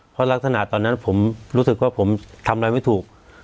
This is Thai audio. เพราะลักษณะตอนนั้นผมรู้สึกว่าผมทำอะไรไม่ถูก